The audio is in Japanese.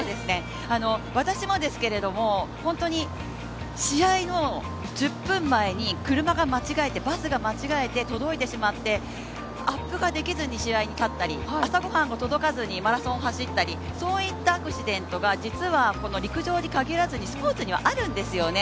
私もですけれども本当に試合の１０分前に車が、バスが間違えて届いてしまって、アップができずに試合にたったり朝ごはんが届かずにマラソン走ったり、そういったアクシデントが実はこの陸上に限らずにスポーツにはあるんですよね。